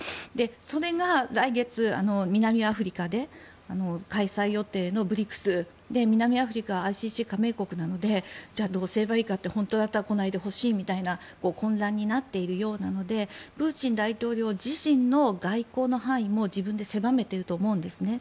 それが来月南アフリカで開催予定のＢＲＩＣＳ、南アフリカはＩＣＣの加盟国なのでじゃあどうすればいいかって本当なら来ないでほしいみたいな混乱になっているようなのでプーチン大統領自身の外交の範囲も自分で狭めていると思うんですね。